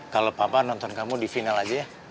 kalau papa nonton kamu di final aja ya